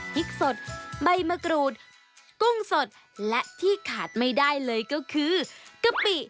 พริกสดใบมะกรูดกุ้งสดและที่ขาดไม่ได้เลยก็คือกะปิ